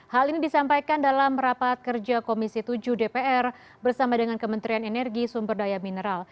hal ini disampaikan dalam rapat kerja komisi tujuh dpr bersama dengan kementerian energi sumber daya mineral